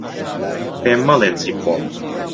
پێم مەڵێن چی بخۆم.